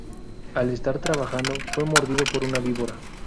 Al estar trabajando, fue mordido por una víbora.